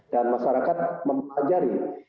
dan masyarakat mempelajari